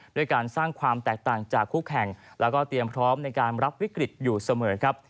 ด้วยการสร้างความแตกต่างจากคู่แข่งแล้วก็เตรียมพร้อมในการรับวิกฤตอยู่เสมอครับ